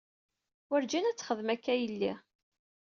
Werǧin ad texdem akka yell-i.